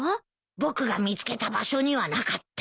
僕が見つけた場所にはなかった。